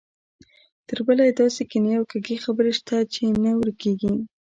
تربله یې داسې کینې او کږې خبرې شته چې نه ورکېږي.